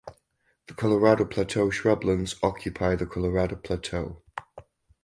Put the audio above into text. The Colorado Plateau shrublands occupy the Colorado Plateau.